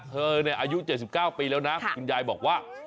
เธออายุ๗๙ปีแล้วนะคุณยายบอกว่า